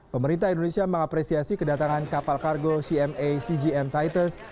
pemerintah indonesia mengapresiasi kedatangan kapal kargo cma cgm titers